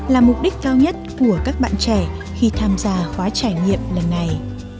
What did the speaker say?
là mục đích cao nhất của các bạn trẻ khi tham gia khóa trải nghiệm lần này